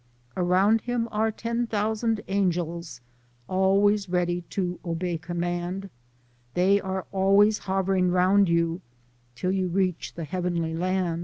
Around him are ten thousan' angels, Always ready to 'bey comman'. *Dey are always hobring round you, Till you reach the hebbenly Ian'.